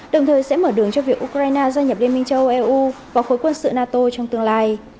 đồng thời sẽ mở đường cho việc ukraine gia nhập liên minh châu âu eu vào khối quân sự nato trong tương lai